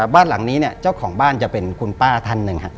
บ้านหลังนี้เจ้าของบ้านจะเป็นคุณป้าท่านหนึ่ง